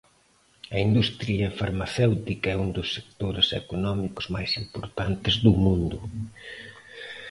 A industria farmacéutica é un dos sectores económicos máis importantes do mundo.